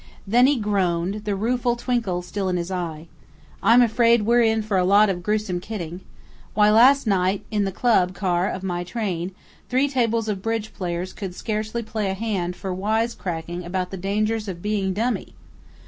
Then he groaned, the rueful twinkle still in his eye: "I'm afraid we're in for a lot of gruesome kidding. Why, last night, in the club car of my train, three tables of bridge players could scarcely play a hand for wisecracking about the dangers of being dummy!...